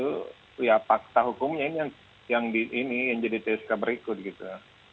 jadi apa yang disebutkan di bap itu ya fakta hukumnya ini yang di ini yang jadi csk berikut gitu